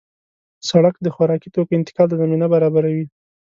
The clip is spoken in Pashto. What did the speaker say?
سړک د خوراکي توکو انتقال ته زمینه برابروي.